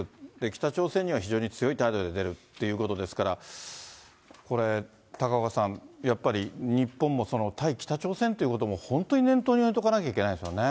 北朝鮮には非常に強い態度で出るっていうことですから、これ高岡さん、やっぱり日本も対北朝鮮ということも、本当に念頭に置いとかなきゃいけないですね。